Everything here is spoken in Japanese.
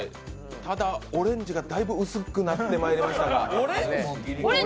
ただ、オレンジがだいぶ薄くなってきましたが。